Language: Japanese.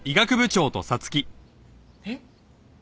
えっ？